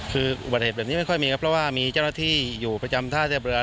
คืออุบัติเหตุแบบนี้ไม่ค่อยมีครับเพราะว่ามีเจ้าหน้าที่อยู่ประจำท่าเทียบเรือ